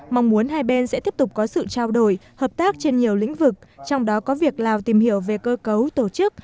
mong muốn hai bên sẽ tiếp tục có sự trao đổi hợp tác trên nhiều lĩnh vực trong đó có việc lào tìm hiểu về cơ cấu tổ chức